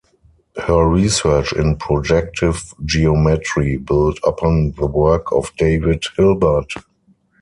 Her research in projective geometry built upon the work of David Hilbert.